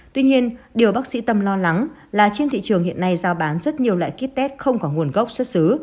tuy nhiên điều bác sĩ tâm lo lắng là trên thị trường hiện nay giao bán rất nhiều loại kit test không có nguồn gốc xuất xứ